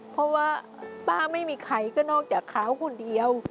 เพราะว่าป้าไม่มีใครก็นอกจากเขาคนเดียว